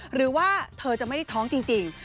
หรือว่าเธอจะไม่ได้ท้องจริง